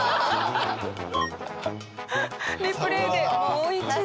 リプレーでもう一度。